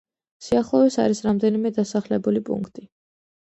სიახლოვეს არის რამდენიმე დასახლებული პუნქტი.